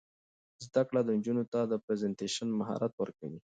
زده کړه نجونو ته د پریزنټیشن مهارت ورکوي.